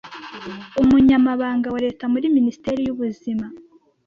Umunyamabanga wa Leta muri Minisiteri y’ubuzima